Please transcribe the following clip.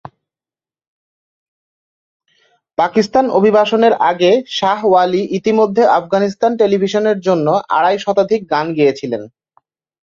পাকিস্তান অভিবাসনের আগে শাহ ওয়ালি ইতিমধ্যে আফগানিস্তান টেলিভিশনের জন্য আড়াই শতাধিক গান গেয়েছিলেন।